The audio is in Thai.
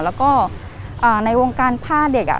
แล้วก็ในวงการพ่อเด็กอะ